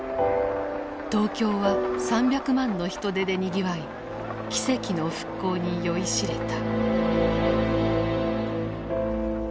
東京は３００万の人出でにぎわい奇跡の復興に酔いしれた。